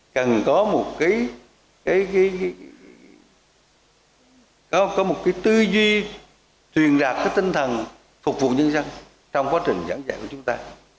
cần có một cái tư duy truyền đạt cái tinh thần phục vụ nhân dân trong quá trình giảng dạy của chúng ta